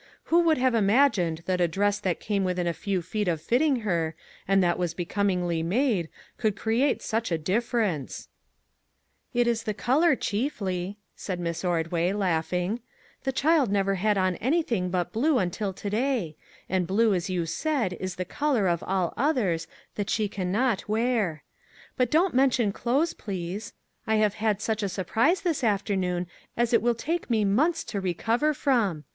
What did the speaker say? Who would have imagined that a dress that came within a few feet of fitting her, and that was becomingly made, could create such a differ ence ?"" It is the color, chiefly," said Miss Ordway, laughing ;" the child never had on anything but blue until to day; and blue, as you said, is the color, of all others, that she can not wear. But don't mention clothes, please. I have had such a surprise this afternoon as it will take me months to recover from.